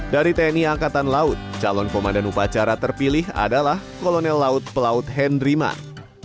dari tni angkatan laut calon komandan upacara terpilih adalah kolonel laut pelaut henryman